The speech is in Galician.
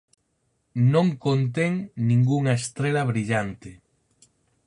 Non contén ningunha estrela brillante.